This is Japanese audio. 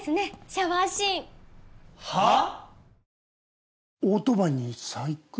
シャワーシーン！はあ！？